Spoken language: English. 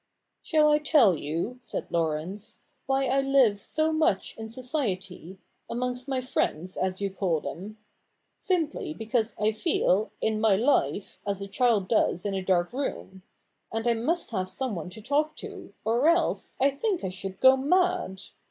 ' Shall I tell you,' said Laurence, ' why I Hve so much in society — amongst my friends, as you call them ? Simply because I feel, in my life, as a child does in a dark room ; and I must have some one to talk to, or else I think I should go mad.